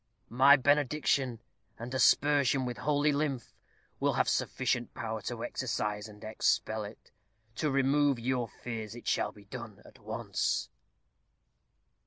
my benediction, and aspersion with holy lymph, will have sufficient power to exorcise and expel it. To remove your fears it shall be done at once."